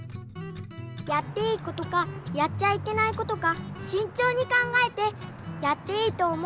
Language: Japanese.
やっていいことかやっちゃいけないことかしんちょうに考えてやっていいと思ったら少しずつやる。